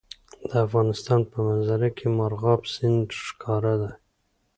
د افغانستان په منظره کې مورغاب سیند ښکاره ده.